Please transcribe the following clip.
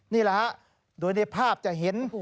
นี่แหละฮะโดยในภาพจะเห็น